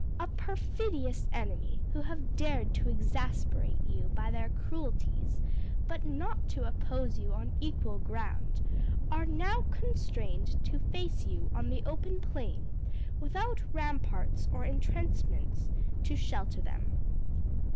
A perfidious enemy, who have dared to exasperate you by their cruelties, but not to oppose you on equal ground, are now constrained to face you on the open plain, without ramparts or intrenchments to shelter them.